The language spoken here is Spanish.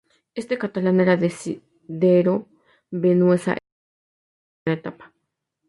Este catalán era Desiderio Vinuesa, el cual abandonó en la primera etapa.